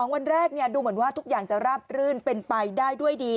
วันแรกดูเหมือนว่าทุกอย่างจะราบรื่นเป็นไปได้ด้วยดี